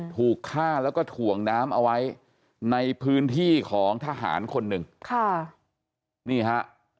ถูกฆ่าแล้วก็ถ่วงน้ำเอาไว้ในพื้นที่ของทหารคนหนึ่งค่ะนี่ฮะ